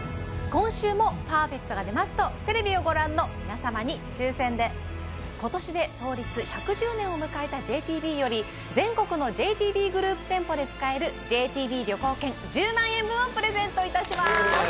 今週もパーフェクトが出ますとテレビをご覧の皆様に抽選で今年で創立１１０年を迎えたＪＴＢより全国のＪＴＢグループ店舗で使えるＪＴＢ旅行券１０万円分をプレゼントいたします